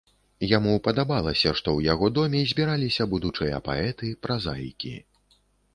Яму падабалася, што ў яго доме збіраліся будучыя паэты, празаікі.